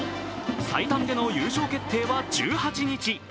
最短での優勝決定は１８日。